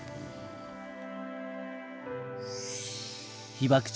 被爆地